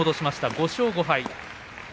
５勝５敗。